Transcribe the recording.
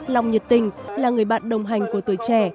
lòng nhiệt tình là người bạn đồng hành của tuổi trẻ